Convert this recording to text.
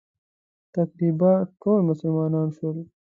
تقریباً ټول مسلمانان شول.